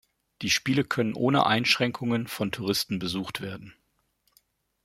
Die Spiele können ohne Einschränkungen von Touristen besucht werden.